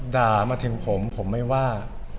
ด่ามาถึงผมผมไม่ว่า